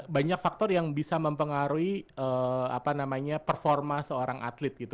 banyak faktor yang bisa mempengaruhi performa seorang atlet gitu